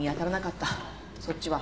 そっちは？